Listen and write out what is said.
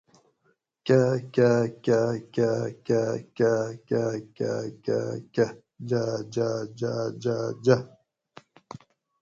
ککککککککککججججج